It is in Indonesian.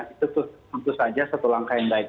itu tentu saja satu langkah yang baik